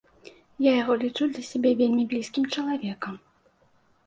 Я яго лічу для сябе вельмі блізкім чалавекам.